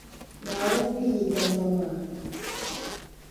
Naawuni mi yi dimba maa.